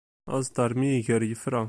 Aẓeṭṭa mi iger yefra.